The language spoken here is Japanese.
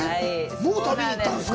もう旅に行ったんですか。